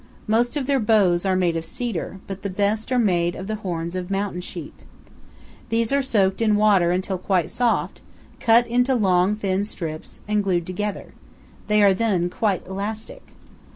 Most of their bows are made of cedar, but the best are made of the horns of mountain sheep. These are soaked in water until quite soft, cut into long thin strips, and glued together; they are then quite elastic.